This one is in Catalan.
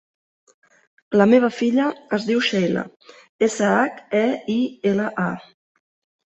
La meva filla es diu Sheila: essa, hac, e, i, ela, a.